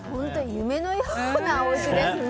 夢のようなおうちですね。